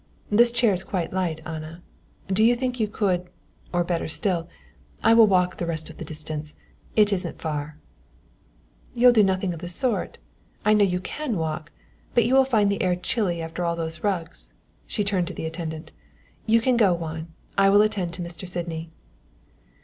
"This chair is quite light, Anna; do you think you could or better still, I will walk the rest of the distance, it isn't far." "You'll do nothing of the sort. I know you can walk, but you will find the air chilly after all those rugs." She turned to the attendant, "You can go, Juan I will attend to Mr. Sydney."